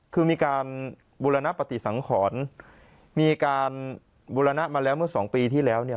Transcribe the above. คือมีการบูรณปฏิสังขรมีการบูรณะมาแล้วเมื่อสองปีที่แล้วเนี่ย